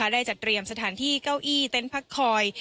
ได้จัดเตรียมสถานที่เก้าอี้เต็นต์พักคอย